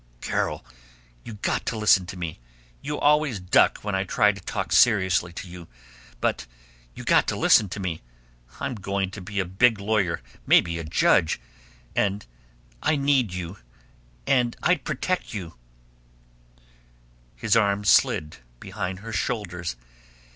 "Carol, you got to listen to me! You always duck when I try to talk seriously to you, but you got to listen to me. I'm going to be a big lawyer, maybe a judge, and I need you, and I'd protect you " His arm slid behind her shoulders.